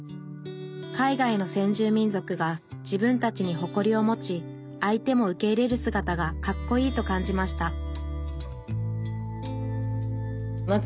海外の先住民族が自分たちに誇りを持ち相手も受け入れるすがたがかっこいいと感じました